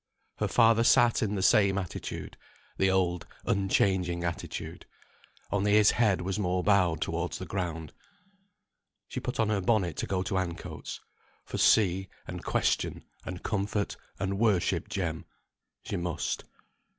Her father sat in the same attitude; the old unchanging attitude. Only his head was more bowed towards the ground. She put on her bonnet to go to Ancoats; for see, and question, and comfort, and worship Jem, she must.